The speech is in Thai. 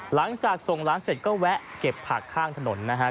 หลังจากส่งร้านเสร็จก็แวะเก็บผักข้างถนนนะฮะ